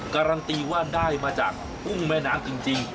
การันตีว่าได้มาจากกุ้งแม่น้ำจริง